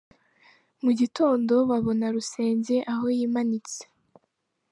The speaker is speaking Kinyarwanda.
Mu gitondo babona Rusenge aho yimanitse.